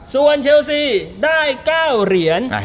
แมชซิตี้ได้๙เหรียญ